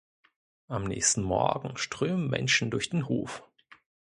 Am nächsten Morgen strömen Menschen durch den Hof.